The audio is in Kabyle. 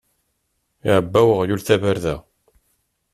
Iɛebba uɣyul tabarda.